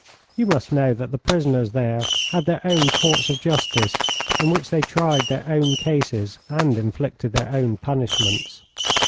You must know that the prisoners there had their own Courts of Justice, in which they tried their own cases, and inflicted their own punishments.